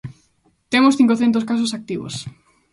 Temos cincocentos casos activos.